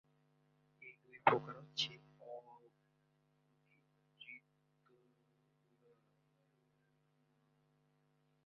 এই দুই প্রকার হচ্ছে অভিযোজিত বনাম অ-অভিযোজিত হাস্যরস।